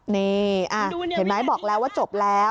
นี่เห็นไหมบอกแล้วว่าจบแล้ว